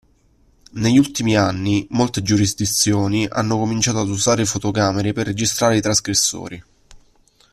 Negli ultimi anni molte giurisdizioni hanno cominciato ad usare fotocamere per registrare i trasgressori.